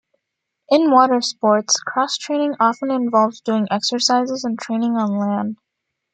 In water sports, cross-training often involves doing exercises and training on land.